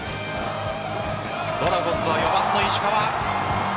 ドラゴンズは４番の石川。